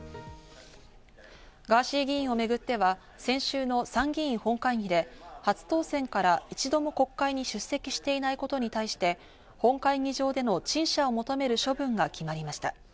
ガーシー議員をめぐっては、先週の参議院本会議で初当選から一度も国会に出席していないことに対して、本会議場での陳謝を求める処分が決まりました。